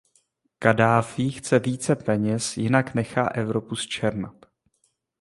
Kaddáfí chce více peněz, jinak nechá Evropu zčernat.